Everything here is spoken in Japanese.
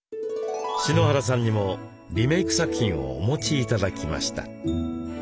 篠原さんにもリメイク作品をお持ち頂きました。